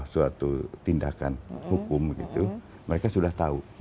suatu tindakan hukum gitu mereka sudah tahu